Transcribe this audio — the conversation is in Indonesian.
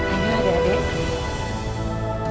ini ada adek